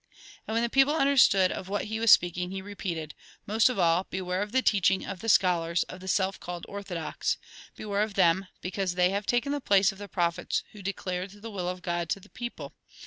And when the people understood of what he was speaking, he repeated :" Most of all, beware of the teaching of the scholars, of the self called ' orthodox.' Beware of them, because they have taken the place of the prophets who declared the will of God to the people.